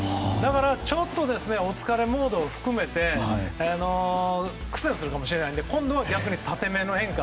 ちょっとお疲れモードを含めて苦戦するかもしれないので今度は縦めの変化。